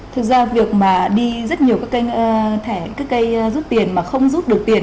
thực ra việc mà đi rất nhiều các cây rút tiền mà không rút được tiền